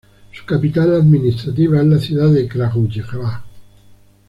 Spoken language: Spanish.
Su capital administrativa es la ciudad de Kragujevac.